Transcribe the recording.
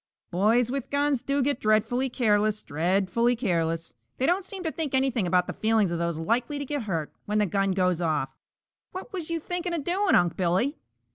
"Boys with guns do get dreadfully careless, dreadfully careless. They don't seem to think anything about the feelings of those likely to get hurt when the gun goes off. What was you thinking of doing, Unc' Billy?"